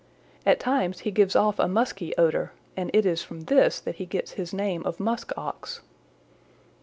At times he gives off a musky odor, and it is from this that he gets his name of Musk Ox.